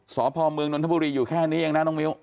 สอบภอมเมืองนทบุรีอยู่แค่นี้อย่างนั้นนะน้องมิ้ว